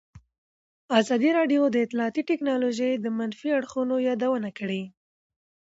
ازادي راډیو د اطلاعاتی تکنالوژي د منفي اړخونو یادونه کړې.